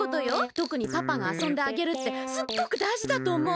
とくにパパがあそんであげるってすっごくだいじだとおもう。